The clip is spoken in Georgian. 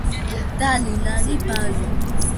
დალი ლალი ბალი